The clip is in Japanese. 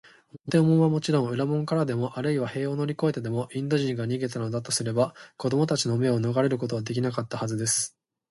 表門はもちろん、裏門からでも、あるいは塀を乗りこえてでも、インド人が逃げだしたとすれば、子どもたちの目をのがれることはできなかったはずです。